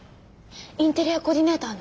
インテリアコーディネーターの。